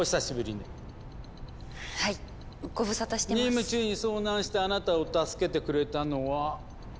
任務中に遭難したあなたを助けてくれたのはこの方々かしら？